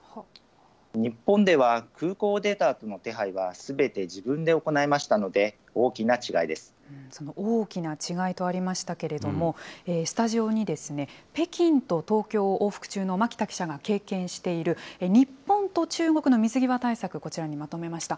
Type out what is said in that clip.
日本では空港を出たあとの手配はすべて自分で行いましたので、大その大きな違いとありましたけれども、スタジオに、北京と東京を往復中の巻田記者が経験している日本と中国の水際対策、こちらにまとめました。